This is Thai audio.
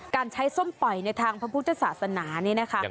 การใช้ส้มปล่อยในทางพระพุทธศาสนานี่นะคะ